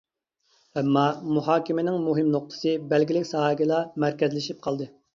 ئەمما، مۇھاكىمىنىڭ مۇھىم نۇقتىسى بەلگىلىك ساھەگىلا مەركەزلىشىپ قالدى.